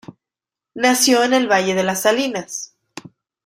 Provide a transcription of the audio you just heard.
Nació en el Valle de las Salinas.